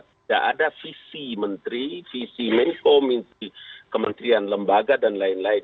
tidak ada visi menteri visi menko mimpi kementerian lembaga dan lain lain